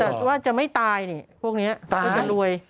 แต่ว่าจะไม่ตายนี่พวกนี้ก็จะรวย